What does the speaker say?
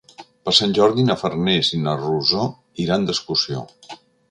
Per Sant Jordi na Farners i na Rosó iran d'excursió.